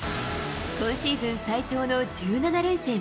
今シーズン最長の１７連戦。